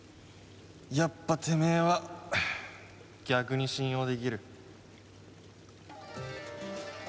やっぱてめえは逆に信用できる。